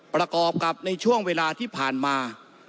ประกอบกับในช่วงเวลาที่ผ่านมา